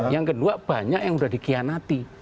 yang kedua banyak yang sudah dikianati